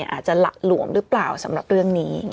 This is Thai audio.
อาจจะหละหลวมหรือเปล่าสำหรับเรื่องนี้